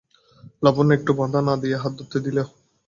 লাবণ্য একটুও বাধা না দিয়ে হাত ধরতে দিলে।